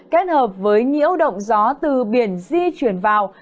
kết hợp với nhiễu động gió từ biển di chuyển vào